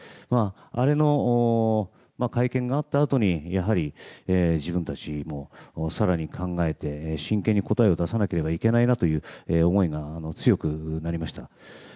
あれの会見があったあとに自分たちも更に考えて、真剣に答えを出さなければいけないなという思いが強くなりました。